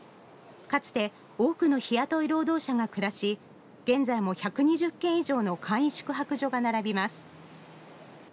かつて多くの日雇い労働者が暮らし現在も１２０軒以上の簡易宿泊所が並びます。